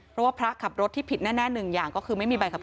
เพราะพระขับรถที่ผิดแน่